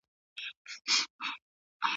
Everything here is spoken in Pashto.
جهاني زه هم لکه شمع سوځېدل مي زده دي